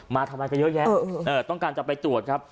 มาทำไมก็เยอะแยะต้องการจะไปตรวจครับ